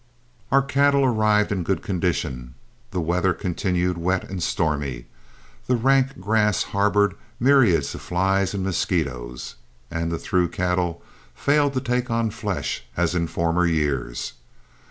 Our cattle arrived in good condition. The weather continued wet and stormy, the rank grass harbored myriads of flies and mosquitoes, and the through cattle failed to take on flesh as in former years.